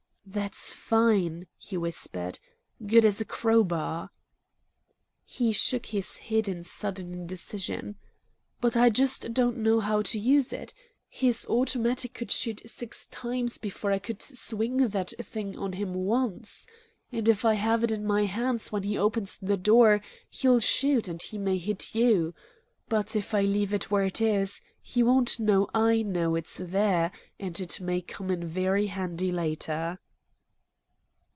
"That's fine!" he whispered. "Good as a crowbar.'" He shook his head in sudden indecision. "But I don't just know how to use it. His automatic could shoot six times before I could swing that thing on him once. And if I have it in my hands when he opens the door, he'll shoot, and he may hit you. But if I leave it where it is, he won't know I know it's there, and it may come in very handy later."